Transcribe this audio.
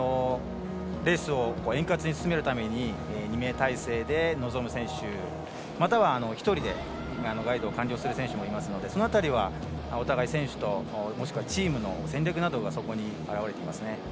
レースを円滑に進めるために２名体制で臨む選手または、１人でガイドを完了する選手もいますのでその辺りは、お互い選手ともしくはチームの戦略などがそこに表れていますね。